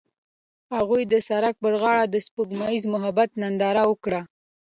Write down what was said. هغوی د سړک پر غاړه د سپوږمیز محبت ننداره وکړه.